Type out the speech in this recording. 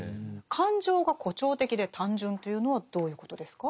「感情が誇張的で単純」というのはどういうことですか？